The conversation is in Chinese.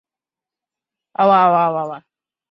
光果毛翠雀花为毛茛科翠雀属下的一个变种。